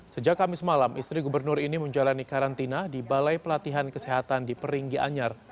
sejak kamis malam istri gubernur ini menjalani karantina di balai pelatihan kesehatan di peringgi anyar